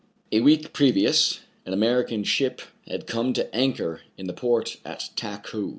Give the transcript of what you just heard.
A WEEK previous an American ship had come to anchor in the port at Takou.